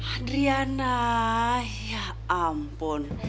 adriana ya ampun